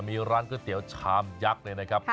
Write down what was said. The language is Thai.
มีร้านก๋วยเตี๋ยวชามยักษ์เลยนะครับ